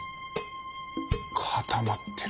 固まってる。